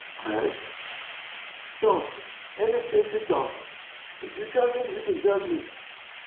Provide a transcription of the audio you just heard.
"Craggs?" "Johnson Anastasia Johnson. If you jug him you can jug me."